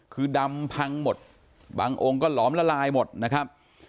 คือดำพังหมดบางองค์ก็หลอมละลายหมดนะครับ